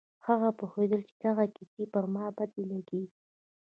هغه پوهېدله چې دغه کيسې پر ما بدې لگېږي.